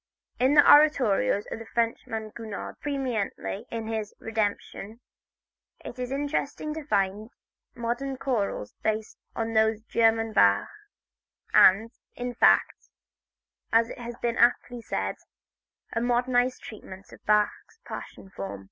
In the oratorios of the Frenchman Gounod, preeminently in his "Redemption," it is interesting to find modern chorals based on those of the German Bach, and, in fact, as it has been aptly said, a modernized treatment of Bach's passion form.